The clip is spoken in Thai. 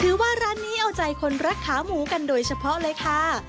ว่าร้านนี้เอาใจคนรักขาหมูกันโดยเฉพาะเลยค่ะ